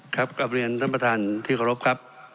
ครับกับเรียนท่านประธานพี่ขอรบครับ